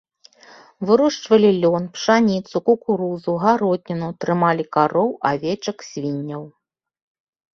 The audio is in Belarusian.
Вырошчвалі лён, пшаніцу, кукурузу, гародніну, трымалі кароў, авечак, свінняў.